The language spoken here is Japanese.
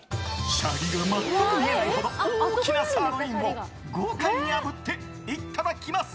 シャリが全く見えないほどのサーロインを豪快にあぶっていただきます！